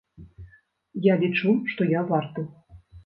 Я лічу, што я варты.